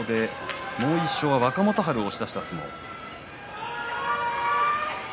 もう１勝は若元春を押し出した相撲。